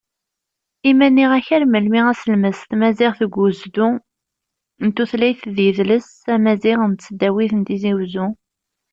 I ma nniɣ-k ar melmi aselmeds tmaziɣt deg ugezdu n tutlayt d yidles amaziɣ n tesdawit n Tizi Uzzu?